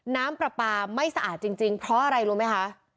น้ำปลาปลาไม่สะอาดจริงเพราะอะไรรู้ไหมคะ